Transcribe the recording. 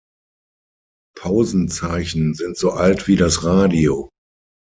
Pausenzeichen sind so alt wie das Radio.